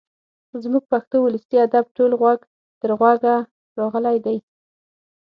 زموږ پښتو ولسي ادب ټول غوږ تر غوږه راغلی دی.